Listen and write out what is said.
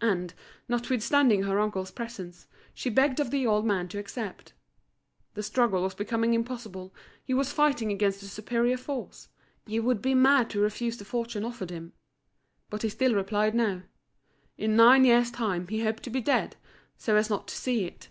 And, notwithstanding her uncle's presence, she begged of the old man to accept. The struggle was becoming impossible, he was fighting against a superior force; he would be mad to refuse the fortune offered him. But he still replied no. In nine years' time he hoped to be dead, so as not to see it.